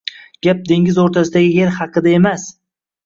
Gap dengiz oʻrtasidagi yer haqida emas